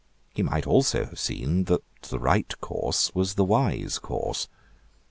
He might also have seen that the right course was the wise course.